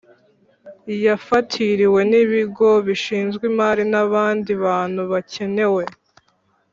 Yafatiriwe n’ibigo bishinzwe imari n’abandi bantu bakenewe